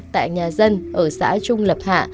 tại nhà dân ở xã trung lập hạ